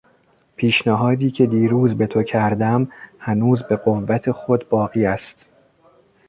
پیشنهادی که دیروز به تو کردم هنوز به قوت خود باقی است.